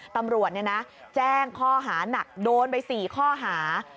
ตำรวจแจ้งข้อหานักโดนไป๔ข้อหา